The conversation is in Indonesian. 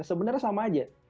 sebenarnya sama aja